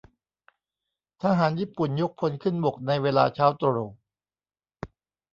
ทหารญี่ปุ่นยกพลขึ้นบกในเวลาเช้าตรู่